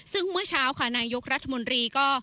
ซึ่งเมื่อเช้าค่ะนายกรัฐมนตรีก็